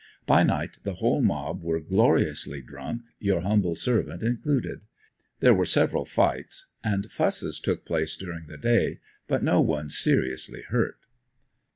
By night the whole mob were gloriously drunk, your humble servant included. There were several fights and fusses took place during the day, but no one seriously hurt.